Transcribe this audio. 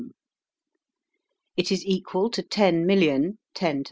It is equal to ten million, 10^7, C.